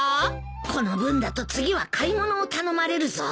この分だと次は買い物を頼まれるぞ。